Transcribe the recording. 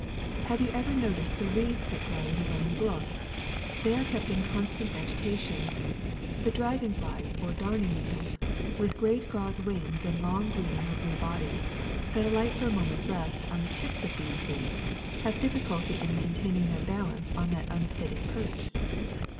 ^*Have you ever noticed the reeds that grow in a running brook! They are kept in constant agita tion. The dragon flies or darning needles, with great gauze wings and long green or blue bodies, that alight for a moment 's rest on the tips of these reeds, have difficulty in maintaining their balance on that unsteady perch.